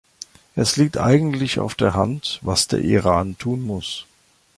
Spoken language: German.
Es liegt eigentlich auf der Hand, was der Iran tun muss.